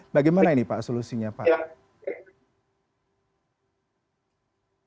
bagaimana ini pak solusinya pak